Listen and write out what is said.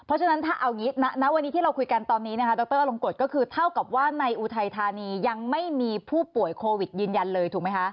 เพราะฉะนั้นถ้าเอาอย่างนี้ณวันนี้ที่เราคุยกันตอนนี้นะคะดรอลงกฎก็คือเท่ากับว่าในอุทัยธานียังไม่มีผู้ป่วยโควิดยืนยันเลยถูกไหมคะ